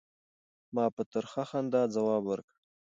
ما په ترخه خندا ځواب ورکړ.